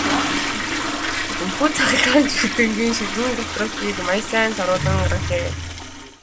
Энэхүү цахилгаан чийдэнгийн шилэн доторх хийг маш сайн соруулан гаргажээ.